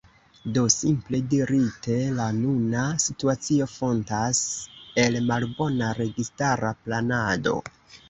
Do, simple dirite, la nuna situacio fontas el malbona registara planado.